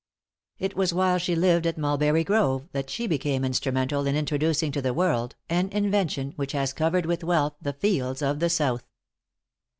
It was while she lived at Mulberry Grove, that she became instrumental in introducing to the world an invention which has covered with wealth the fields of the South.